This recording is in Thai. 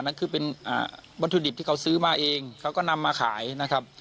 นั่นคือเป็นวัตถุดิบที่เขาซื้อมาเองเขาก็นำมาขายนะครับ